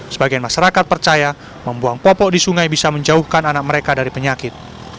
sebagian masyarakat percaya membuang popok di sungai bisa menjauhkan anak mereka dari penyakit